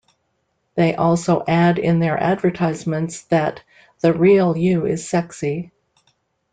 They also add in their advertisements that The real you is sexy.